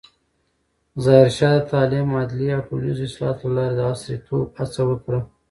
ظاهرشاه د تعلیم، عدلیې او ټولنیزو اصلاحاتو له لارې د عصریتوب هڅه وکړه.